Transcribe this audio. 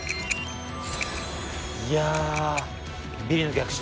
いやビリの逆襲。